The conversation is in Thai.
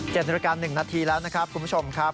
นาฬิกา๑นาทีแล้วนะครับคุณผู้ชมครับ